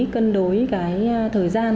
cân đối cái thời gian